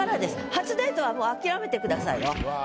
「初デート」はもうあきらめてくださいよ。